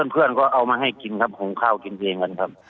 เพื่อนก็เอามาให้กินครับหุงข้าวกินเองกันครับ